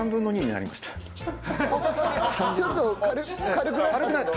ちょっと軽くなったって事？